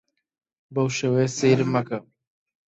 بەو شێوەیە سەیرم مەکە.